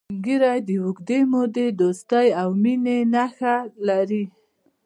سپین ږیری د اوږدې مودې دوستی او مینې نښې لري